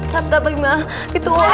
tak pak ima itu